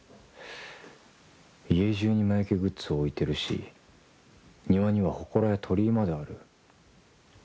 「家じゅうに魔よけグッズを置いてるし庭にはほこらや鳥居まである」